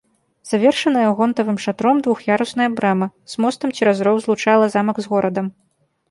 Завершаная гонтавым шатром двух'ярусная брама з мостам цераз роў злучала замак з горадам.